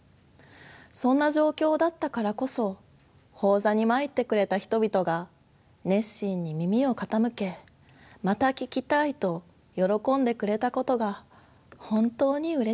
そんな状況だったからこそ法座に参ってくれた人々が熱心に耳を傾け「また聞きたい」と喜んでくれたことが本当にうれしかった。